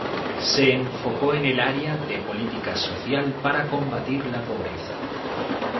Se enfocó en el área de política social para combatir la pobreza.